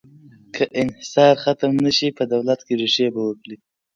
که انحصار ختم نه شي، په دولت کې ریښې به وکړي.